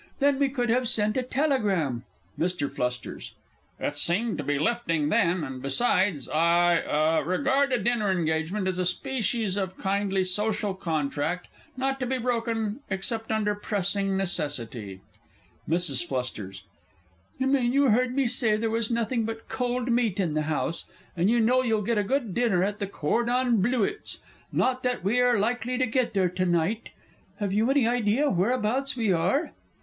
Then we could have sent a telegram! MR. F. It seemed to be lifting then, and besides, I ah regard a dinner engagement as a species of kindly social contract, not to be broken except under pressing necessity. MRS. F. You mean you heard me say there was nothing but cold meat in the house, and you know you'll get a good dinner at the Cordon Blewitts, not that we are likely to get there to night. Have you any idea whereabouts we are?